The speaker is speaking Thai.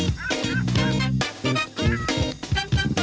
สมัยเขาบอกหนูไม่ได้เจอกันนะหนูไม่ได้เจอกันนะ